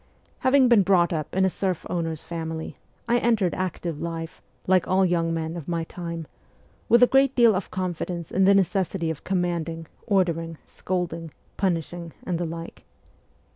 Having been brought up in a serf owner's family, I entered active life, like all young men of my time, with a great deal of confidence in the necessity of command ing, ordering, scolding, punishing, and the like.